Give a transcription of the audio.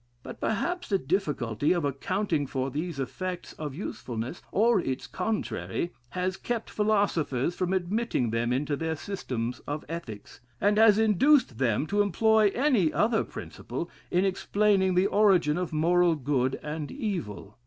But perhaps the difficulty of accounting for these effects of usefulness, or its contrary, has kept philosophers from admitting them into their systems of ethics, and has induced them to employ any other principle, in explaining the origin of moral good and evil.